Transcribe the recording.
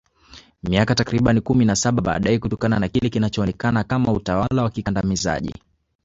Miaka takriban kumi na Saba baadaye kutokana na kile kilichoonekana kama utawala wa kikandamizaji